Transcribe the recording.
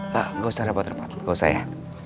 pak gak usah rapat rapat gak usah ya